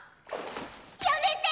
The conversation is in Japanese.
やめて！